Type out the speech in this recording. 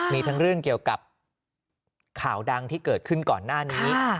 มีทั้งเรื่องเกี่ยวกับข่าวดังที่เกิดขึ้นก่อนหน้านี้